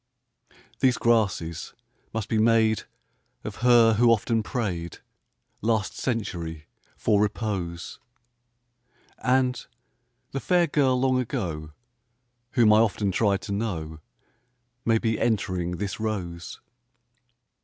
These grasses must be made Of her who often prayed, Last century, for repose; And the fair girl long ago Whom I often tried to know May be entering this rose.